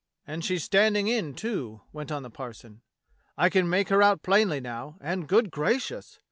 "And she's standing in, too," went on the parson. "I can make her out plainly now, and, good gracious!